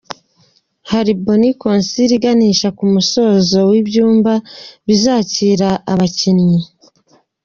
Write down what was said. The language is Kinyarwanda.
Hari Boni Consilii, iganisha ku musozo ibyumba bizakira abakinnyi.